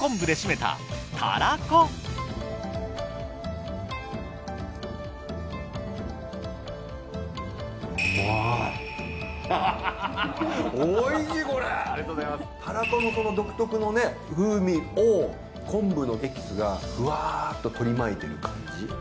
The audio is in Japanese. たらこの独特の風味を昆布のエキスがフワーッと取り巻いてる感じ。